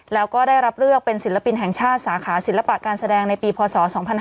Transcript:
แล้วก็ได้รับเลือกเป็นศิลปินแห่งชาติสาขาศิลปะการแสดงในปีพศ๒๕๕๙